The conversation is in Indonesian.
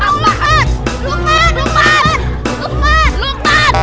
lukman lukman lukman